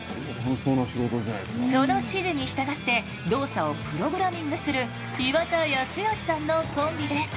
その指示に従って動作をプログラミングする岩田康義さんのコンビです。